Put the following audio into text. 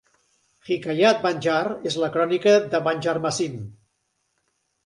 Hikayat Banjar és la crònica de Banjarmasin.